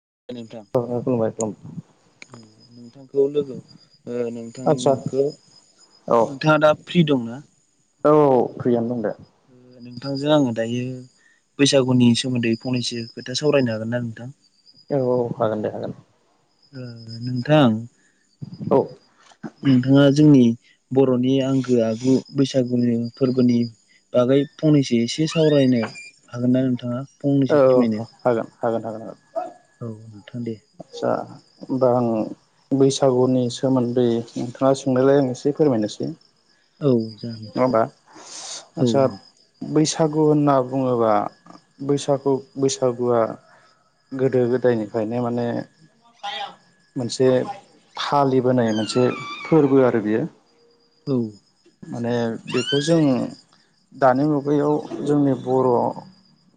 [unintelligible] नोंथांखो लोगो ओ आदसा नोंथांखो औ नोंथाङा दा फ्रि दंना? औ फ्रियानो बुंदो उम नोंथांजों आङो दायो बैसागुनि सोमोन्दै फंनैसो खोथा सावरायनो हागोन ना नोंथां? औ औ हागोन दे हागोन नोंथां औ [inaudible] नोंथाङा जोंनि बर'नि आंगो आगु बैसागुनि फोरबोनि बागै फंनैसो एसे सावरायनो हागोन ना नोंथाङा फंनैसो औ औ फोरमायनो हागोन हागोन हागोन हागोन औ दे आच्छा होमबा आं बैसागुनि सोमोन्दै नोंथाङा सोंनायलाय आं इसेै फोरमायनोसै औ जागोन नङाबा औ आच्छा बै सागु होनना बुङोबा बैसागु बैसागुआ गोदो गोदायनिफ्रायनो माने मोनसे फालिबोनाय मोनसे फोरबो आरो बेयो औ माने बेखौ जों दानि मुगायाव जोंनि बर'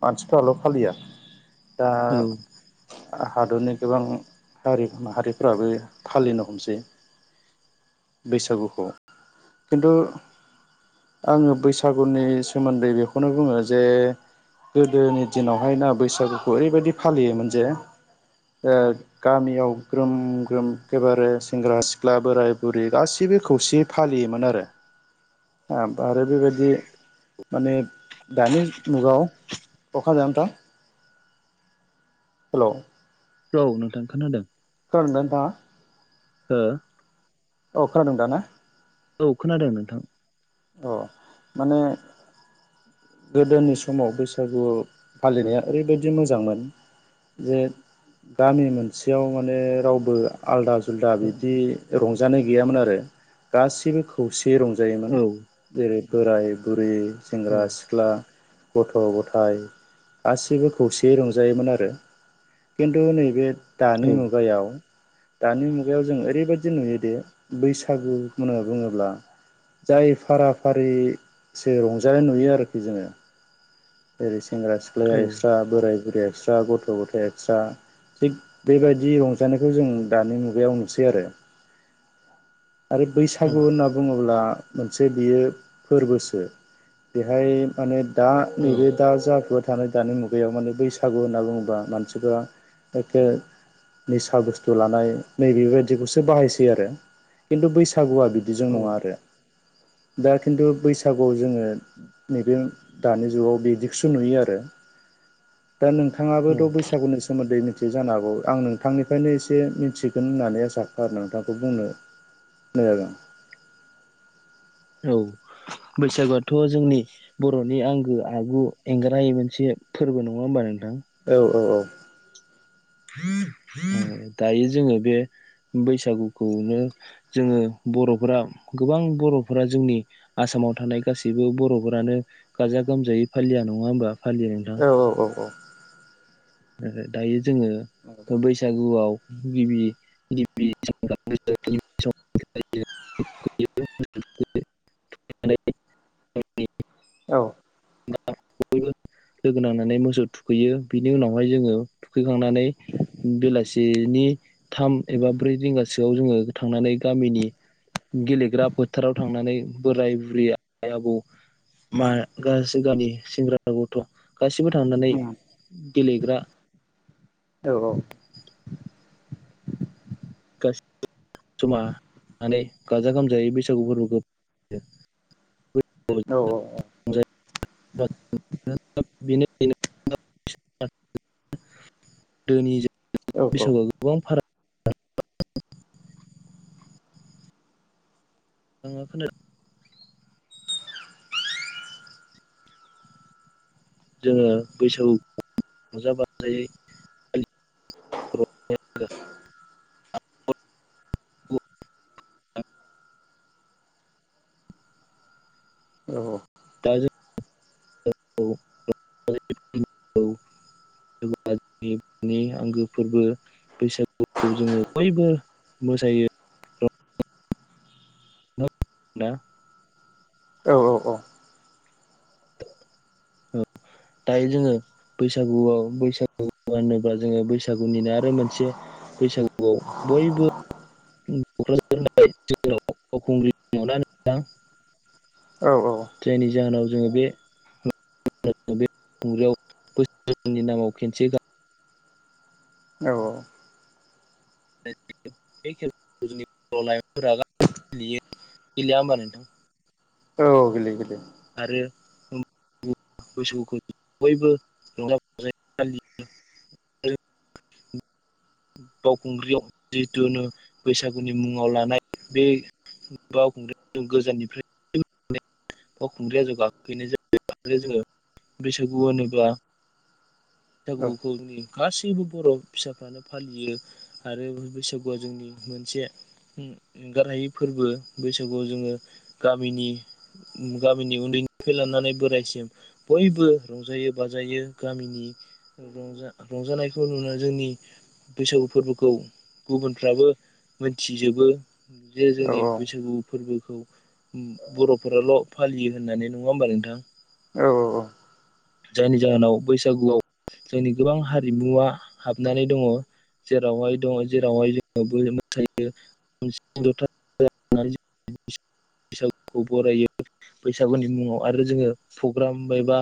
मानसिफ्राल' फालिया दा औ हादरनि गोबां हारि माहारिफ्राबो फालिनो हमसै बैसागुखौ खिन्थु आङो बैसागुनि सोमोन्दै बेखौनो बुङो जे गोदोनि दिनावहाय ना बैसागुखौ ओरैबायाददि फालियोमोन जे [inaudible] ओ गामियाव ग्रोम ग्रोम एखेबारे सेंग्रा सिख्ला बोराय बुरै गासिबो खौ से फालियोमोन आरो ओम आरो बेबायदि माने दानि मुगायाव अखा जामथ हेल' औ नोंथां खोनादों। खोनादोंना नोंथाङा? हो? औ खोनादों दा ना औ खोनादों नोंथां। औ माने गोदोनि समाव बैसागु फालिनाया ओरैबायदि मोजांमोन जे गामि मोनसेयाव माने रावबो आलादा जुल्दा बिदि रंजानाय गैयामोन आरो गासिबो खौ सेयै रंजायोमोन औ जेरै बोराय बुरै औ सेंग्रा सि गथ' गथाय गासिबो खौसेयै रंजायोमोन आरो खिन्थु नैबे दानि औ मुगायाव दानि मुगायाव जों ओरैबायदि नुयोदिे बैसागु होनना बुङोब्ला जाय फारा फारिसो रंजानाय नुयो आरो खि जोङो जेरै सेंग्रा औ सिख्लाया एक्स्रा बोराय बुरै एक्स्रा गथ' गथाय एक्स्रा थिग बेबायदि रंजानायखौ जों दानि मुगायाव नुसै आरो [inaudible] आरो बैसागु होनना बुङोब्ला मोनसे बियो फोरबोसो बेहाय माने दा औ नैबे दा जाफोर थानाय दानि मुगायाव माने बैसागु होनना बुङोबा मानसिफ्रा एखे निसा बुस्थु लानाय नैबेबायदिखौसो बाहायसै आरो खिन्थु बैसा गुवा बिदिजों औ नङा आरो दा खिन्थु बैसागुआव जोङो नैबे दानि जिउआव बिदिगसो नुयो आरो दा औ नोंथाङाबोथ' बैसागुनि सोमोन्दै मिथियो जानो हागौ आं नोंथांनिफ्रायनो एसे मिथिगोन होननानै आसा खार नोंथांखौ बुंनो [unintelligible] [inaudible] औ बैसागुआथ' जोंनि बर'नि आंगो आगु एंग्राय मोनसे फोरबो नङा होमबा नों औ औ औ ओ दायो जोङो बे बैसागुखौनो जोङो बर'फोरा गोबां बर'फोरा जोंनि आसाम माव थानाय गासैबो बर'फोरानो गाजा गोमजायै फालिया नङा होमबा? फालियो नोंथां औ औ औ औ। ओ ओ दायो जोङो बैसागुआव गिबि गिबि [unintelligible] [unintelligible] औ। [unintelligible] लोगो नांनानै मोसौ थुखैयो बिनि उनावहाय जोङो थुखैखांनानै बेलासिनि थाम एबा ब्रै रिंगासोआव जोङो थांनानै गामिनि गेलेग्रा फोथाराव थांनानै बोराय-बुरै, आइ आबौ मा गासै गामि सेंग्रासा गथ' गासिबो थांनानै गेलेग्रा औ औ। गासिबो जमा थांनानै गाजा-गोमजायै बैसागु फोरबोखौ फालियो। औ औ औ। [unintelligible] बैसागआव गोबां फाराग [unintelligible] आङो खोनादों। जोङो बैसागु रंजा-बाजायै [inaudible] औ औ। [unintelligible] नि आंगो फोरबो बैसागुखौ जोङो बयबो मोसायो। ना? औ औ औ। औ। दायो जोङो बैसागुआव बैसागु होनोब्ला जोङो बैसागुनिनो आरो मोनसे बैसागुआव बयबो [unintelligible] औ औ जायनि जाहोनाव जोङो बे [unintelligible] बे खुंग्रियाव बोसोरनि नामाव खेनसे गा [inaudible] बे खेला जोंनि बर' लाइमोनफोरा गेलेयो गेलेया होमबा नोंथां? बिदि आरो ओ औ। बैसागुखौ बयबो रंजा-बाजायै फालियो। [inaudible] बावखुंग्रियाव जिहेथुुनो बैसागुनि मुङाव लानाय बे बावखुंग्रियाव गोजाननिफ्राय [unintelligible] बावखुंग्रिया ज' गाखैनाय जायो जोङो बैसागु होनोब्ला औ औ बैसागुखौ जोंनि गासैबो बर' फिसाफ्रानो फालियो आरो बैसागुआ जोंनि मोनसे ओं एंगारहायै फोरबो। बैसागुआव जोङो गामिनि गामिनि उन्दैनिफ्राय लानानै बोरायसिम बयबो रंजायो बाजायो‌ गामिनि रंजा रंजानायखौ नुना जोंनि बैसागु फोरबोखौ गुबुनफ्राबो मोनथिजोबो जे औ जोंनि बैसागु फोरबोखौ ओम बर'फोराल' फालियो होननानै नङा होमबा नोंथां? औ औ औ। जायनि जाहोनाव बैसागुआव जोंनि गोबां हारिमुवा हाबनानै दङ। जेरावहाय दङ जेरावहाय जोङो मोसायो खाम, सिफुं, जथा [inaudible] बैसागुखौ बरायो बैसागुनि मुङाव आरो जोङो प्रग्राम एबा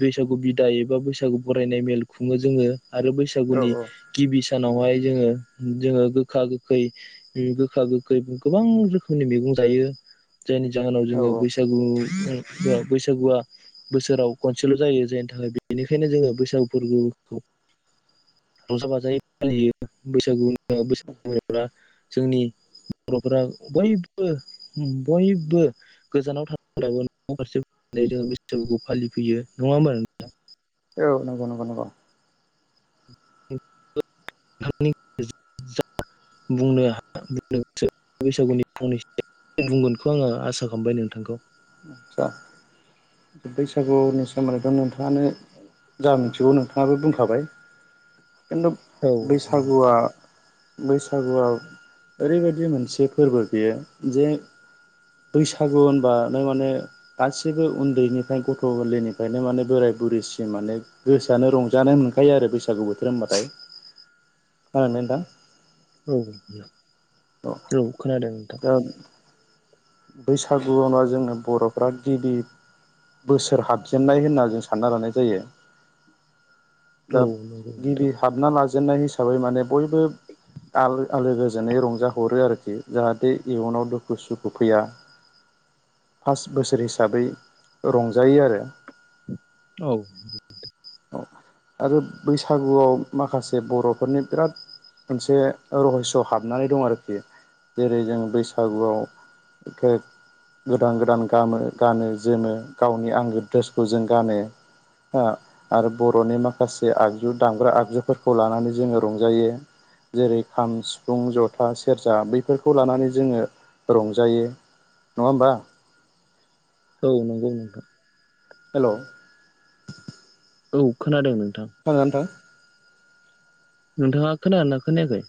बैसागु बिदाय एबा बैसागु बरायनाय मेल खुङो जोङो आरो औ बैसागुनि गिबि सानावहाय जोङो जों‌डो गोखा गोै गोखा गोखै ओ गोबां रोखोमनि मै जायो जायनि जाहोनाव औ जोङो बैसागु बैसागुआ बोसोराव खनसेल' जायो जायनि थाखाय बेनिखायनो जोङो बैसागु फोरबोखौ रजा बाजायै फालियो बैसागु बैसागु [unintelligible] जोंनि बर'फोरा बयबो बयबो गोजानाव थानायफोराबो न' फारसे जो बैसबोखौ फालिफैयो नङा होमबानो नोंथां। औ नंगौ नंगौ नगौ? नोंथांनि [unintelligible] बुंनो हा बुं गोसो बैसागुनि फंनैसो बुंगोनखौ आङो आसा खालामबाय नोंथांखौ आस्चसा बैसागुनि सोमोन्दैथ' नोंथाङानो। जा मिथिगौ नोंथाङाबो बुंखाबाय खिन्थु औ बैसागुआ बैसागुआव ओरैबायाददि मोनसे फोरबो बियो जे बैसागु होनबा नो माने? गासिबो उन्दैनिफ्राय गथ' गोरैनिफ्रायनो माने बोराय बुरैसिम माने गोसोआनो रंजानाय मोनखायो आरो बैसागु बोथोर होनबाथाय [inaudible] आरो नोंथां। औ औ खोनादों नोंथां बैसागुआवना जोंनो बर'फ्रा गिबि बोसोर हाबजेननाय होनना जों सानना लानाय जायो। दा औ नंगौ नोंथां गिबि हाबना लाजेननाय हिसाबै माने बयबो आो आलो गोजोनै रंजााहरो आरोखि जाहाथे इयुनाव दुखु सुखु। उखैया फास बोसोर हिसाबै रंजायो आरो। औ औ आरो बैसागुआव माखासे बर'फोरनि बिराद मोनसे रहस' हाबनानै दं आरोखि जेरै जों बैसागुआव। बेख गोदान गोदान गामो गानो जोमो गावनि आंगो द्रेसखौ जों गानो। हा आरो बर'नि माखासे आगजु दामग्रा आगजुफोरखौ लानानै जोङो रंजायो जेरै खाम सिफुं जथा सेरजा बैफोरखौ लानानै जोङो रंजायो। नङा ओमबा औ नंगौ नोंथां हेल' औ खोनादों नों खोनादों नोंथां। नोंथाङा खोनना खोनायाखै